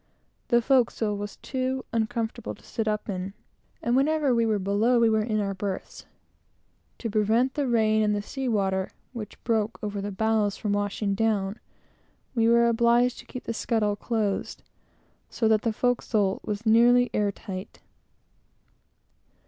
The forecastle was too uncomfortable to sit up in; and whenever we were below, we were in our berths. To prevent the rain, and the sea water which broke over the bows, from washing down, we were obliged to keep the scuttle closed, so that the forecastle was nearly air tight.